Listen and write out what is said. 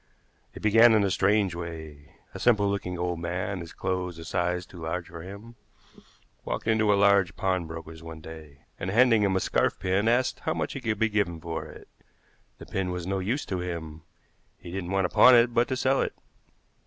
It began in a strange way. A simple looking old man, his clothes a size too large for him, walked into a large pawnbroker's one day, and, handing him a scarf pin, asked how much could be given for it. The pin was no use to him. He didn't want to pawn it, but to sell it.